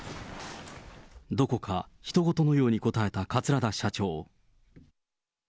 どこかひと事のように答えた桂田社長。